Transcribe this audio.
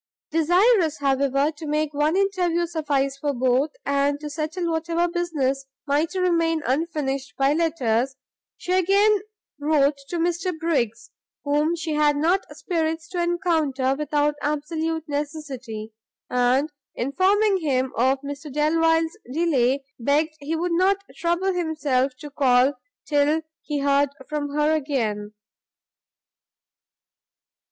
Desirous, however, to make one interview suffice for both, and to settle whatever business might remain unfinished by letters, she again wrote to Mr Briggs, whom she had not spirits to encounter without absolute necessity, and informing him of Mr Delvile's delay, begged he would not trouble himself to call till he heard from her again.